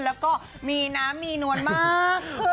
แล้วก็มีน้ำมีนวลมาก